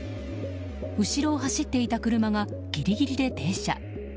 後ろを走っていた車がぎりぎりで停車。